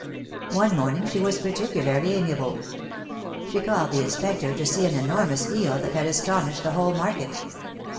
One morning she was particularly amiable. She called the Inspector to see an enormous eel, that had astonished the whole market.